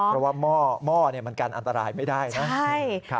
เพราะว่าหม้อมันกันอันตรายไม่ได้นะ